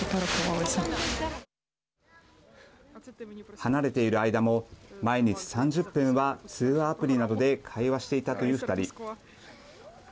離れている間も毎日３０分は通話アプリなどで会話していたという２人。